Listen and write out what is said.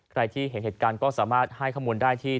ใครที่เห็นเหตุการณ์ก็สามารถให้ข้อมูลได้ที่